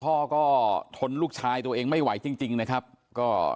พ่อก็ทนลูกชายตัวเองไม่ไหวจริงจริงนะครับก็